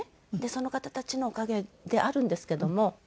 その方たちのおかげであるんですけども。